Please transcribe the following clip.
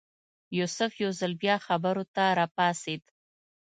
یوسف یو ځل بیا خبرو ته راپاڅېد.